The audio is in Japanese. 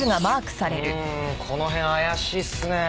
うんこの辺怪しいっすね。